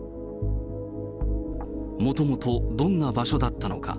もともとどんな場所だったのか。